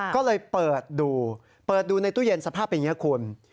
ก็เลยเปิดดูเปิดดูในตู้เย็นสภาพเป็นอย่างนี้คุณ